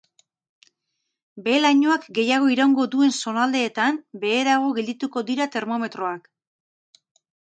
Behe-lainoak gehiago iraungo duen zonaldeetan, beherago geldituko dira termometroak.